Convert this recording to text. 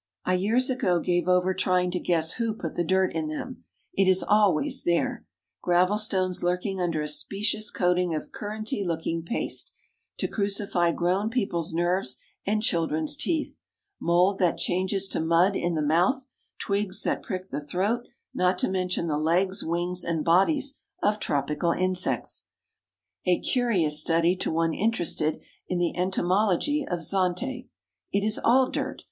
I years ago gave over trying to guess who put the dirt in them. It is always there! Gravel stones lurking under a specious coating of curranty looking paste, to crucify grown people's nerves and children's teeth; mould that changes to mud in the mouth; twigs that prick the throat, not to mention the legs, wings, and bodies of tropical insects—a curious study to one interested in the entomology of Zante. It is all _dirt!